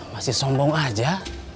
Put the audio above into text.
masih sombong aja